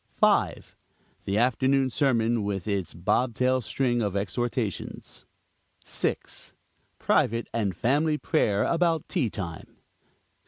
5. The afternoon sermon with its bob tail string of exhortations. 6. Private and family prayer about tea time.